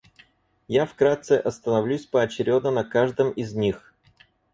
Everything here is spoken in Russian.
Я вкратце остановлюсь поочередно на каждом из них.